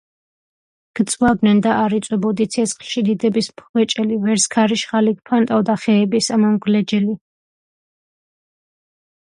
გწვავდნენ და არ იწვებოდი ცეცხლში დიდების მხვეჭელი ვერს ქარიშხალი გფანტავდა ხეების ამომგვლეჯელი...